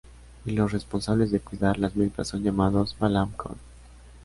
Y los responsables de cuidar las milpas son llamados "Balam-col".